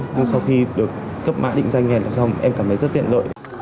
nhưng sau khi được cấp mã định danh này là xong em cảm thấy rất tiện lợi